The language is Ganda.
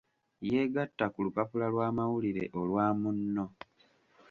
Yeegatta ku lupapula lw'amawulire olwa Munno.